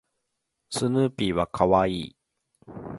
スヌーピーは可愛い